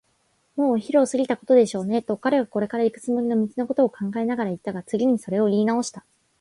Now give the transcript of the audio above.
「もうお昼を過ぎたことでしょうね」と、彼はこれからいくつもりの道のことを考えながらいったが、次にそれをいいなおした。